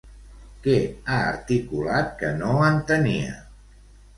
Què ha articulat que no entenia?